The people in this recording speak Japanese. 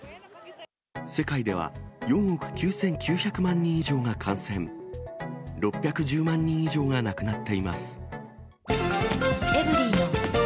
世界では４億９９００万人以上が感染、６１０万人以上が亡くなっています。